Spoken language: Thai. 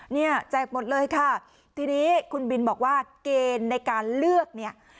แจกหมดเลยค่ะทีนี้คุณบินบอกว่าเกณฑ์ในการเลือกเนี่ย